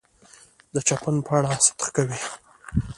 د چین په اړه صدق کوي.